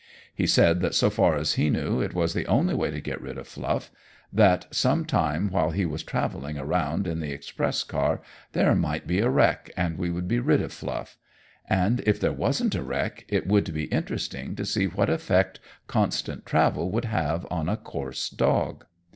He said that so far as he knew it was the only way to get rid of Fluff; that some time while he was traveling around in the express car there might be a wreck, and we would be rid of Fluff; and if there wasn't a wreck, it would be interesting to see what effect constant travel would have on a coarse dog.